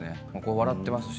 笑っていますし。